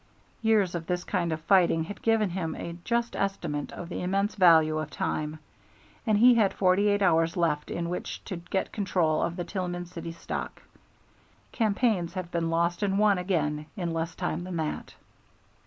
Years of this kind of fighting had given him a just estimate of the immense value of time, and he had forty eight hours left in which to get control of the Tillman City stock. Campaigns have been lost and won again in less time than that.